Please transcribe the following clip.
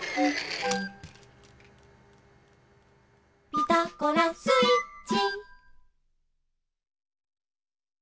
「ピタゴラスイッチ」